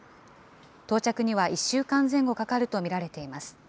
到着には１週間前後かかると見られています。